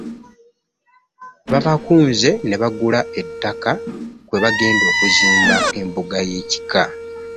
Babakunze ne bagula ettaka kwe bagenda okuzimba embuga y'ekika